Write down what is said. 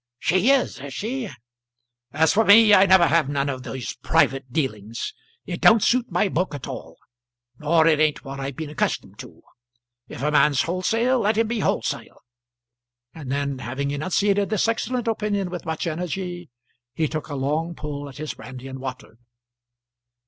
"She is; is she? As for me, I never have none of these private dealings. It don't suit my book at all; nor it ain't what I've been accustomed to. If a man's wholesale, let him be wholesale." And then, having enunciated this excellent opinion with much energy, he took a long pull at his brandy and water.